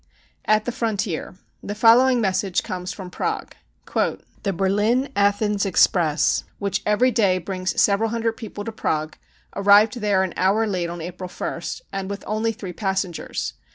At the Frontier. The following message comes from Prague. " The Berlin Athens Express, which every day brings several hundred people to Prague, arrived there an hour late on April 1st, and with only three passengers.